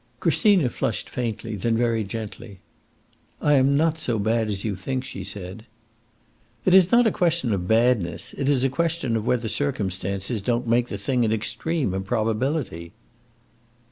Christina flushed faintly; then, very gently, "I am not so bad as you think," she said. "It is not a question of badness; it is a question of whether circumstances don't make the thing an extreme improbability."